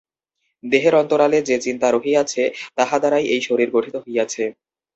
দেহের অন্তরালে যে চিন্তা রহিয়াছে, তাহা দ্বারাই এই শরীর গঠিত হইয়াছে।